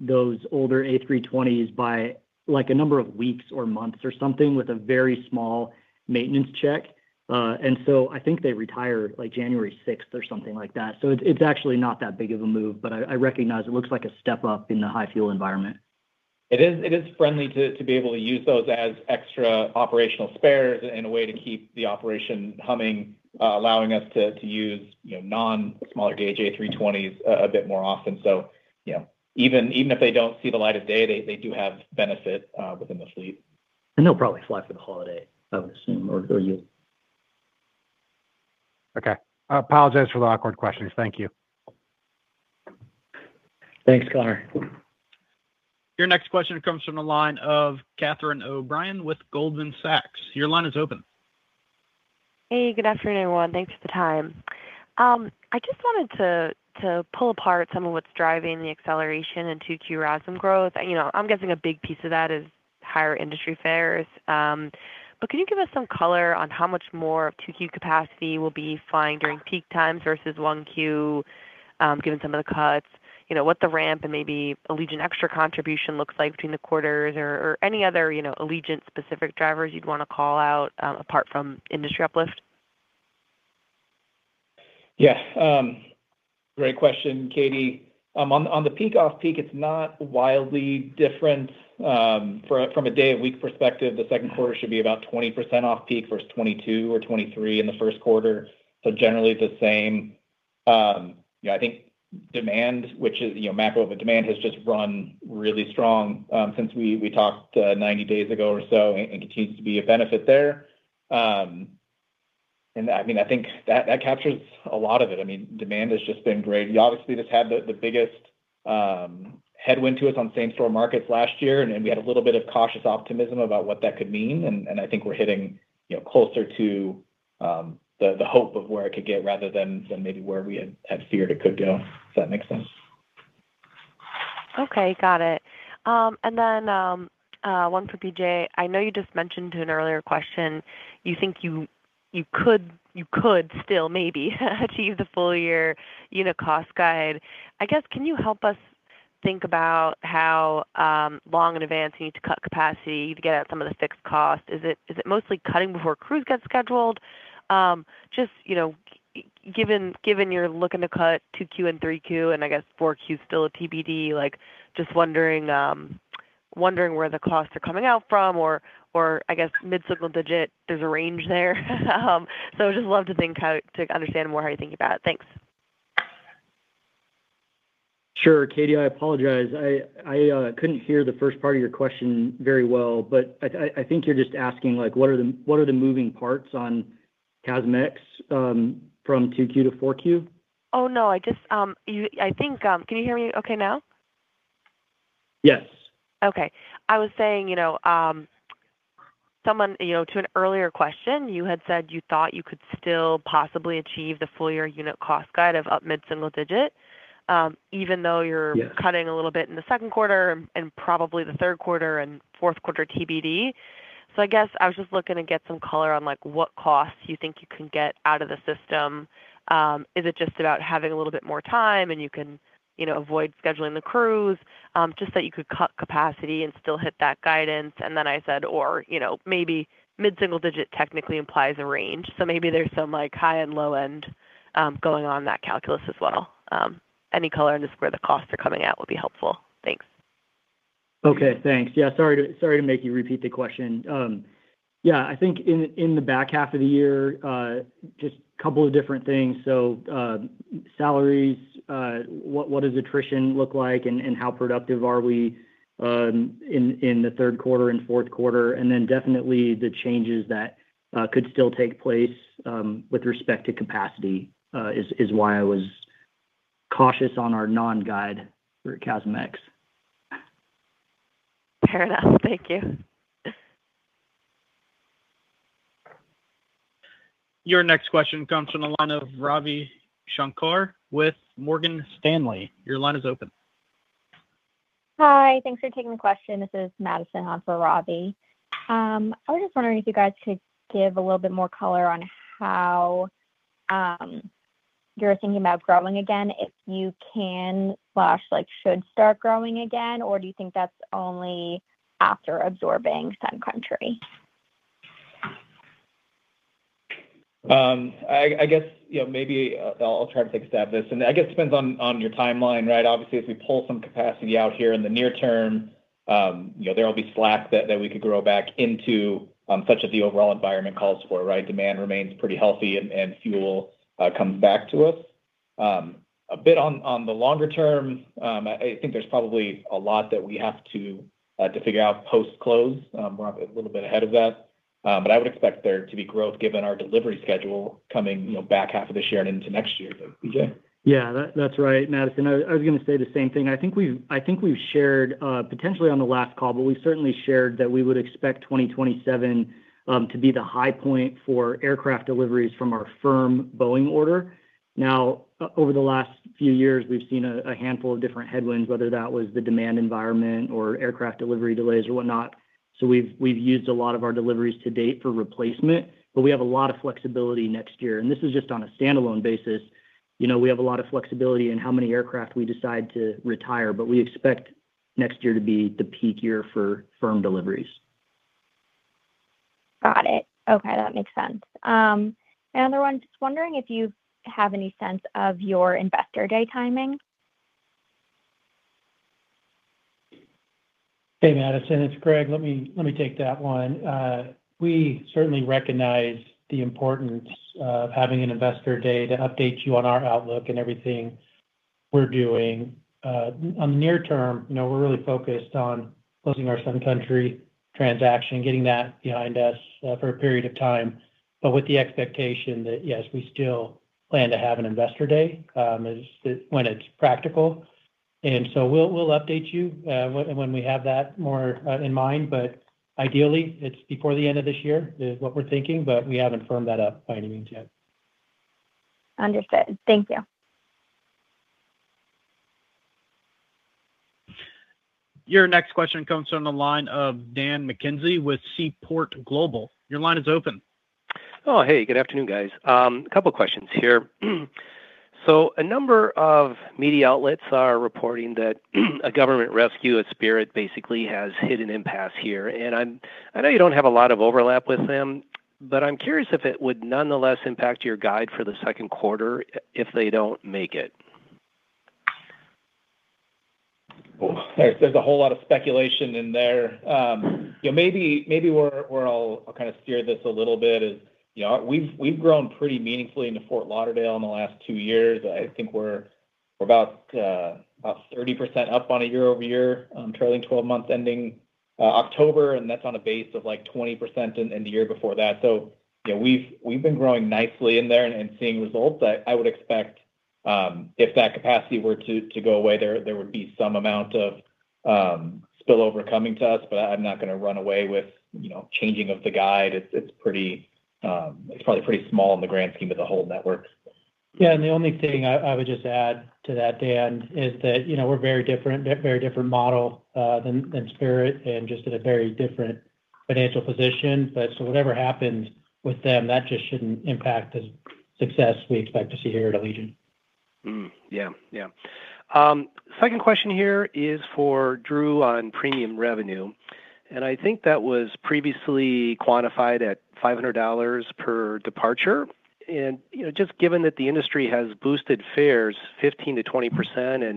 those older A320s by, like, a number of weeks or months or something with a very small maintenance check. I think they retired, like, January 6th or something like that. It's actually not that big of a move, but I recognize it looks like a step up in the high fuel environment. It is friendly to be able to use those as extra operational spares and a way to keep the operation humming, allowing us to use, you know, non-smaller gauge A320s a bit more often. You know, even if they don't see the light of day, they do have benefit within the fleet. They'll probably fly for the holiday, I would assume, or use. Okay. I apologize for the awkward questions. Thank you. Thanks, Conor. Your next question comes from the line of Catherine O'Brien with Goldman Sachs. Your line is open. Hey, good afternoon, everyone. Thanks for the time. I just wanted to pull apart some of what's driving the acceleration in 2Q RASM growth. You know, I'm guessing a big piece of that is higher industry fares. Can you give us some color on how much more of 2Q capacity we'll be flying during peak times versus 1Q, given some of the cuts? You know, what the ramp and maybe Allegiant Extra contribution looks like between the quarters or any other, you know, Allegiant specific drivers you'd want to call out, apart from industry uplift? Yes. Great question, Katie. On the peak off peak, it's not wildly different. From a day of week perspective, the second quarter should be about 20% off peak versus 22 or 23 in the first quarter. Generally the same. You know, I think demand, which is, you know, macro of demand has just run really strong, since we talked 90 days ago or so, and continues to be a benefit there. I mean, I think that captures a lot of it. I mean, demand has just been great. Obviously, this had the biggest headwind to us on same-store markets last year, and we had a little bit of cautious optimism about what that could mean. I think we're hitting, you know, closer to the hope of where it could get rather than maybe where we had feared it could go. If that makes sense. Okay. Got it. One for B.J. I know you just mentioned in an earlier question you think you could still maybe achieve the full- year unit cost guide. I guess, can you help us think about how long in advance you need to cut capacity to get at some of the fixed costs? Is it mostly cutting before crews get scheduled? Just, you know, given you're looking to cut 2Q and 3Q, and I guess 4Q is still a TBD, like just wondering where the costs are coming out from or I guess mid-single digit, there's a range there. Just love to think how to understand more how you're thinking about it. Thanks. Sure, Catie, I apologize. I couldn't hear the first part of your question very well. I think you're just asking, like, what are the moving parts on CASM-ex from 2Q to 4Q? Oh, no. I think. Can you hear me okay now? Yes. Okay. I was saying, you know, to an earlier question, you had said you thought you could still possibly achieve the full-year unit cost guide of up mid-single digit, even though you're Yes Cutting a little bit in the second quarter and probably the third quarter and fourth quarter TBD. I guess I was just looking to get some color on, like, what costs you think you can get out of the system. Is it just about having a little bit more time, and you can, you know, avoid scheduling the crews, just that you could cut capacity and still hit that guidance? I said, or, you know, maybe mid-single-digit technically implies a range. Maybe there's some, like, high and low end going on that calculus as well. Any color into where the costs are coming at would be helpful. Thanks. Okay. Thanks. Yeah, sorry to make you repeat the question. Yeah, I think in the back half of the year, just couple of different things. Salaries, what does attrition look like, and how productive are we, in the third quarter and fourth quarter? Definitely the changes that could still take place, with respect to capacity, is why I was cautious on our non-guide for CASM-ex. Fair enough. Thank you. Your next question comes from the line of Ravi Shanker with Morgan Stanley. Your line is open. Hi. Thanks for taking the question. This is Madison on for Ravi. I was just wondering if you guys could give a little bit more color on how you're thinking about growing again, if you can slash, like, should start growing again, or do you think that's only after absorbing Sun Country? I guess, you know, maybe I'll try to take a stab at this. I guess it depends on your timeline, right? Obviously, as we pull some capacity out here in the near-term, you know, there will be slack that we could grow back into, such as the overall environment calls for, right? Demand remains pretty healthy and fuel comes back to us. A bit on the longer-term, I think there's probably a lot that we have to figure out post-close. We're obviously a little bit ahead of that. I would expect there to be growth given our delivery schedule coming, you know, back half of this year and into next year, though. B.J.? Yeah. That's right, Madison. I was going to say the same thing. I think we've shared, potentially on the last call, but we certainly shared that we would expect 2027 to be the high point for aircraft deliveries from our firm Boeing order. Over the last few years, we've seen a handful of different headwinds, whether that was the demand environment or aircraft delivery delays or whatnot. We've used a lot of our deliveries to date for replacement, but we have a lot of flexibility next year. This is just on a standalone basis. You know, we have a lot of flexibility in how many aircraft we decide to retire, but we expect next year to be the peak year for firm deliveries. Got it. Okay. That makes sense. Another one, just wondering if you have any sense of your investor day timing. Hey, Madison. It's Greg. Let me take that one. We certainly recognize the importance of having an investor day to update you on our outlook and everything we're doing. On the near-term, you know, we're really focused on closing our Sun Country transaction, getting that behind us for a period of time, but with the expectation that, yes, we still plan to have an investor day when it's practical. We'll update you when we have that more in mind. Ideally, it's before the end of this year is what we're thinking, but we haven't firmed that up by any means yet. Understood. Thank you. Your next question comes from the line of Dan McKenzie with Seaport Global. Your line is open. Oh, hey. Good afternoon, guys. Couple questions here. A number of media outlets are reporting that a government rescue at Spirit basically has hit an impasse here. I know you don't have a lot of overlap with them, but I'm curious if it would nonetheless impact your guide for the second quarter if they don't make it. There's a whole lot of speculation in there. You know, maybe where I'll kind of steer this a little bit is, you know, we've grown pretty meaningfully into Fort Lauderdale in the last two years. I think we're about 30% up on a year-over-year, trailing 12 months ending October, and that's on a base of, like, 20% in the year before that. You know, we've been growing nicely in there and seeing results. I would expect, if that capacity were to go away, there would be some amount of spillover coming to us. I'm not gonna run away with, you know, changing of the guide. It's probably pretty small in the grand scheme of the whole network. Yeah, I would just add to that, Dan, is that, you know, we're very different, very different model than Spirit and just at a very different financial position. Whatever happens with them, that just shouldn't impact the success we expect to see here at Allegiant. Yeah. Second question here is for Drew on premium revenue. I think that was previously quantified at $500 per departure. You know, just given that the industry has boosted fares 15%-20%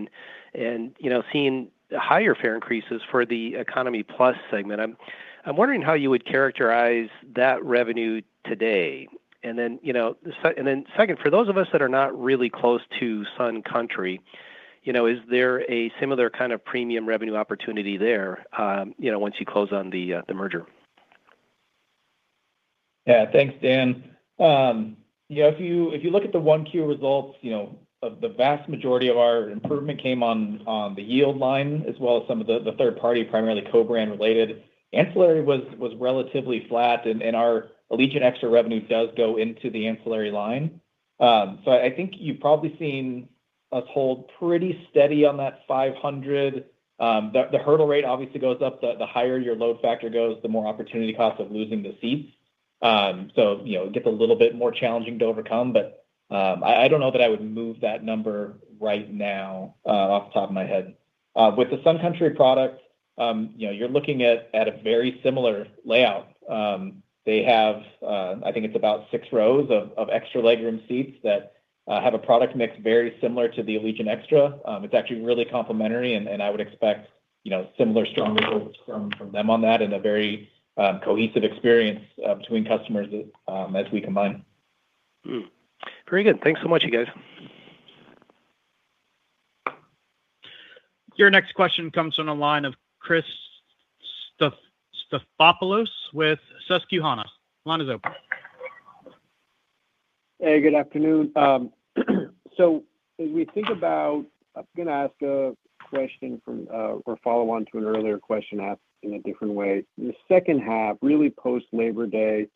and, you know, seeing higher fare increases for the economy plus segment, I'm wondering how you would characterize that revenue today. Then, you know, second, for those of us that are not really close to Sun Country You know, is there a similar kind of premium revenue opportunity there, you know, once you close on the merger? Thanks, Dan. You know, if you look at the 1Q results, you know, the vast majority of our improvement came on the yield line as well as some of the third party primarily co-brand related. Ancillary was relatively flat and our Allegiant Extra revenue does go into the ancillary line. I think you've probably seen us hold pretty steady on that 500. The hurdle rate obviously goes up. The higher your load factor goes, the more opportunity cost of losing the seats. You know, it gets a little bit more challenging to overcome, but I don't know that I would move that number right now off the top of my head. With the Sun Country product, you know, you're looking at a very similar layout. They have, I think it's about six rows of extra legroom seats that have a product mix very similar to the Allegiant Extra. It's actually really complimentary and I would expect, you know, similar strong results from them on that in a very cohesive experience between customers as we combine. Very good. Thanks so much you guys. Your next question comes from the line of Chris Stathoulopoulos with Susquehanna. Line is open. Hey, good afternoon. I'm gonna ask a question from, or follow on to an earlier question asked in a different way. The second half, really post Labor Day,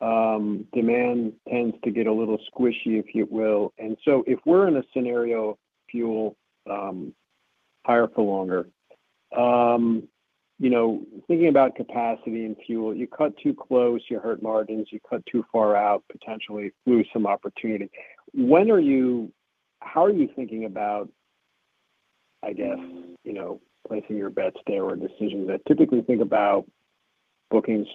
demand tends to get a little squishy, if you will. If we're in a scenario fuel, higher for longer, you know, thinking about capacity and fuel, you cut too close, you hurt margins, you cut too far out, potentially lose some opportunity. How are you thinking about, I guess, you know, placing your bets there or decisions? I typically think about bookings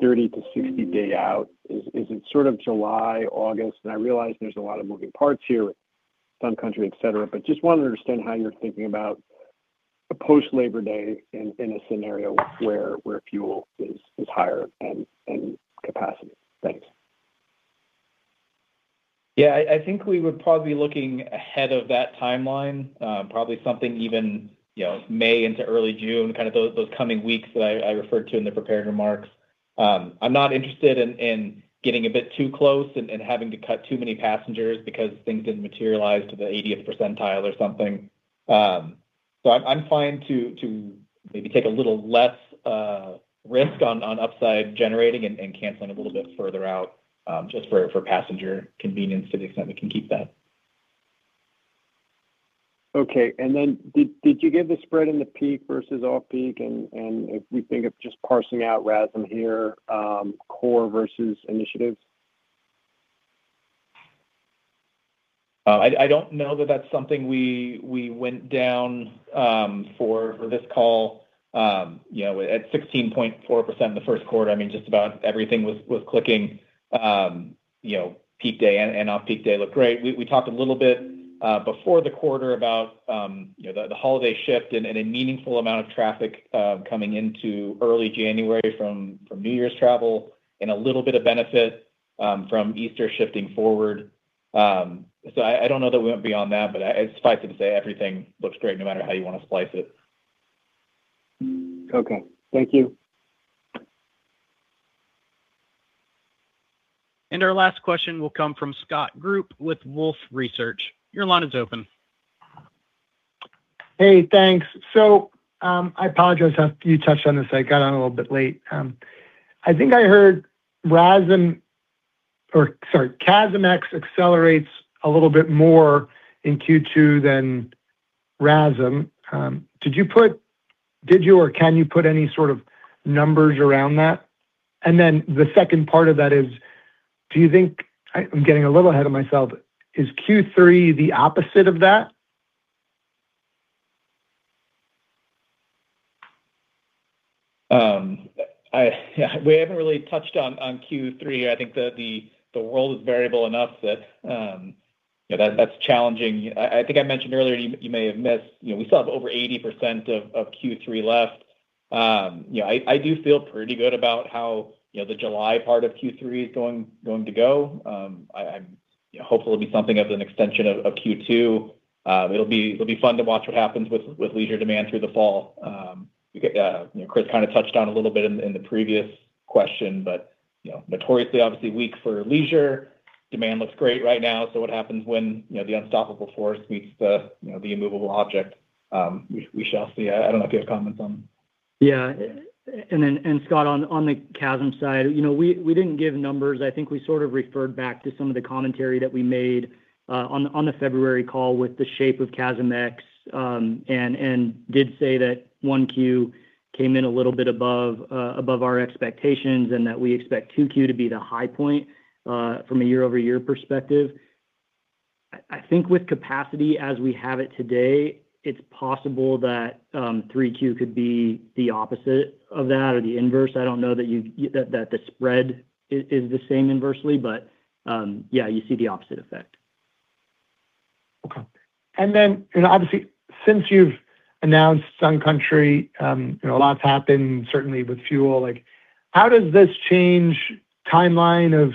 30 to 60 day out. Is it sort of July, August? I realize there's a lot of moving parts here with Sun Country, et cetera, but just wanted to understand how you're thinking about a post Labor Day in a scenario where fuel is higher and capacity. Thanks. Yeah, I think we would probably looking ahead of that timeline, probably something even, you know, May into early June, kind of those coming weeks that I referred to in the prepared remarks. I'm not interested in getting a bit too close and having to cut too many passengers because things didn't materialize to the 80th percentile or something. I'm fine to maybe take a little less risk on upside generating and canceling a little bit further out, just for passenger convenience to the extent we can keep that. Okay. Did you give the spread in the peak versus off-peak? If we think of just parsing out RASM here, core versus initiatives. I don't know that that's something we went down for this call. You know, at 16.4% in the first quarter, I mean, just about everything was clicking. You know, peak day and off peak day looked great. We talked a little bit before the quarter about, you know, the holiday shift and a meaningful amount of traffic coming into early January from New Year's travel and a little bit of benefit from Easter shifting forward. I don't know that we went beyond that, but It's suffice it to say everything looks great no matter how you wanna splice it. Okay. Thank you. Our last question will come from Scott Group with Wolfe Research. Your line is open. Hey, thanks. I apologize if you touched on this. I got on a little bit late. I think I heard RASM or, sorry, CASM-ex accelerates a little bit more in Q2 than RASM. Did you or can you put any sort of numbers around that? The second part of that is, I'm getting a little ahead of myself. Is Q3 the opposite of that? We haven't really touched on Q3. I think the, the world is variable enough that, you know, that's challenging. I think I mentioned earlier, you may have missed, you know, we still have over 80% of Q3 left. You know, I do feel pretty good about how, you know, the July part of Q3 is going to go. I'm, you know, hopeful it'll be something of an extension of Q2. It'll be fun to watch what happens with leisure demand through the fall. You get, you know, Chris kind of touched on a little bit in the previous question, but, you know, notoriously obviously weak for leisure. Demand looks great right now, so what happens when, you know, the unstoppable force meets the, you know, the immovable object? We shall see. I don't know if you have comments on. Yeah. Scott, on the CASM side, you know, we didn't give numbers. I think we sort of referred back to some of the commentary that we made on the February call with the shape of CASM-ex, and did say that 1Q came in a little bit above our expectations and that we expect 2Q to be the high point from a year-over-year perspective. I think with capacity as we have it today, it's possible that 3Q could be the opposite of that or the inverse. I don't know that the spread is the same inversely, but, yeah, you see the opposite effect. Okay. Obviously since you've announced Sun Country, you know, a lot's happened certainly with fuel. Like, how does this change timeline of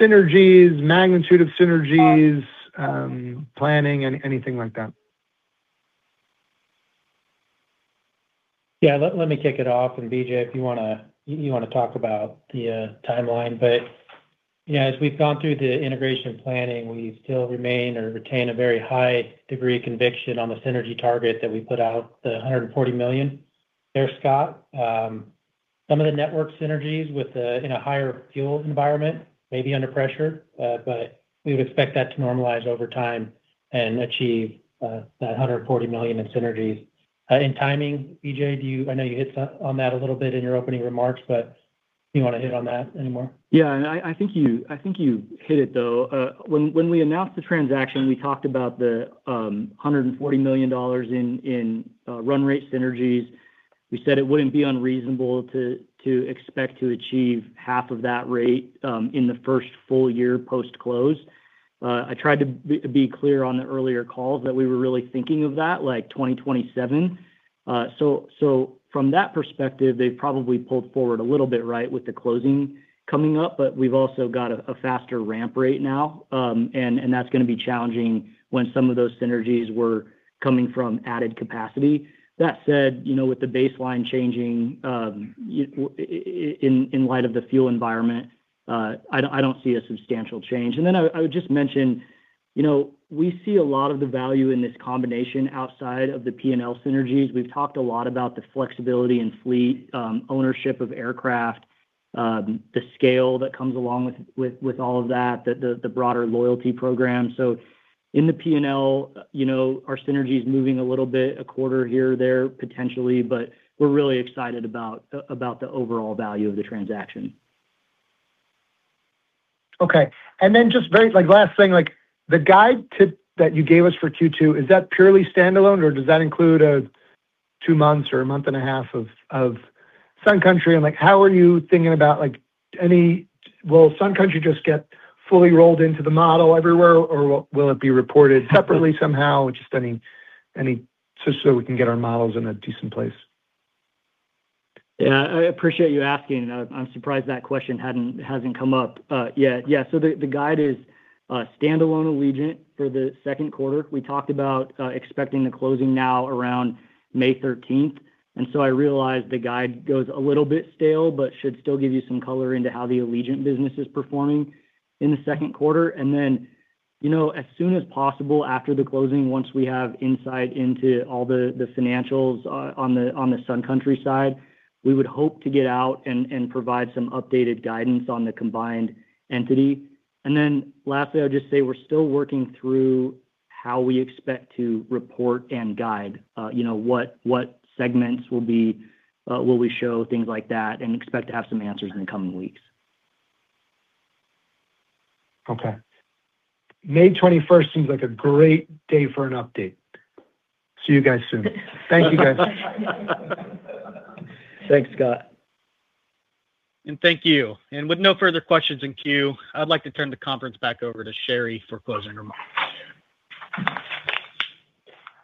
synergies, magnitude of synergies, planning and anything like that? Yeah, let me kick it off and B.J., if you wanna talk about the timeline. Yeah, as we've gone through the integration planning, we still remain or retain a very high degree of conviction on the synergy target that we put out, the $140 million there, Scott. Some of the network synergies with the, in a higher fuel environment may be under pressure, but we would expect that to normalize over time and achieve that $140 million in synergies. In timing, B.J., I know you hit on that a little bit in your opening remarks, but do you wanna hit on that anymore? Yeah. I think you hit it, though. When we announced the transaction, we talked about the $140 million in run rate synergies. We said it wouldn't be unreasonable to expect to achieve half of that rate in the first full-year post-close. I tried to be clear on the earlier calls that we were really thinking of that, like, 2027. From that perspective, they probably pulled forward a little bit, right, with the closing coming up, but we've also got a faster ramp rate now. That's gonna be challenging when some of those synergies were coming from added capacity. That said, you know, with the baseline changing, in light of the fuel environment, I don't see a substantial change. I would just mention, you know, we see a lot of the value in this combination outside of the P&L synergies. We've talked a lot about the flexibility in fleet, ownership of aircraft, the scale that comes along with all of that, the broader loyalty program. In the P&L, you know, our synergy is moving a little bit, a quarter here or there, potentially, but we're really excited about the overall value of the transaction. Okay. Just very, like, last thing, like, the guide that you gave us for Q2, is that purely standalone, or does that include two months or a month and a half of Sun Country? Like, how are you thinking about, like, any? Will Sun Country just get fully rolled into the model everywhere, or will it be reported separately somehow? Just any. Just so we can get our models in a decent place. I appreciate you asking. I'm surprised that question hasn't come up yet. The guide is standalone Allegiant for the second quarter. We talked about expecting the closing now around May 13th. I realize the guide goes a little bit stale, but should still give you some color into how the Allegiant business is performing in the second quarter. You know, as soon as possible after the closing, once we have insight into all the financials on the Sun Country side, we would hope to get out and provide some updated guidance on the combined entity. Lastly, I'll just say we're still working through how we expect to report and guide, you know, what segments will be, will we show, things like that, and expect to have some answers in the coming weeks. Okay. May 21st seems like a great day for an update. See you guys soon. Thank you, guys. Thanks, Scott. Thank you. With no further questions in queue, I'd like to turn the conference back over to Sherry for closing remarks.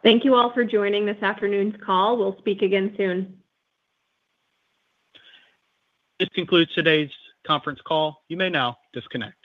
Thank you all for joining this afternoon's call. We'll speak again soon. This concludes today's conference call. You may now disconnect.